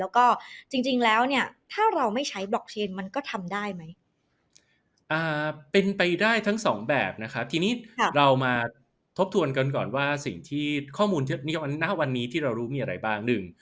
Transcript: แล้วก็จริงแล้วเนี่ยถ้าเราไม่ใช้บล็อกเชนมันก็ทำได้ไหมเป็นไปได้ทั้งสองแบบนะครับทีนี้เรามาทบทวนกันก่อนว่าสิ่งที่ข้อมูลณวันนี้ที่เรารู้มีอะไรบ้างหนึ่ง